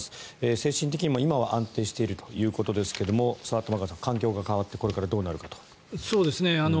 精神的にも今は安定しているということですが玉川さん、環境が変わってこれからどうなるかと。